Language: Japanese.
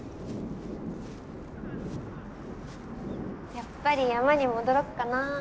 やっぱり山に戻ろっかな。